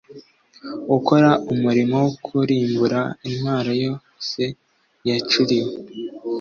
ukora umurimo wo kurimbura intwaro yose yacuriwe